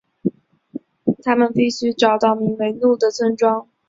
他们必须找到名为怒的村庄。